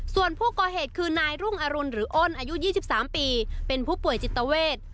ส่วนผู้ก่อเหตุคือนายรุ่งอรุณหรืออ้นอายุ๒๓ปีเป็นผู้ป่วยจิตเวท